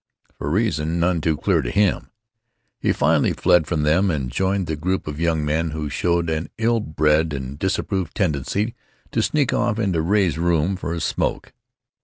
for reasons none too clear to him. He finally fled from them and joined the group of young men, who showed an ill bred and disapproved tendency to sneak off into Ray's room for a smoke.